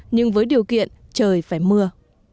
nhưng với điều kiện trời phải mưa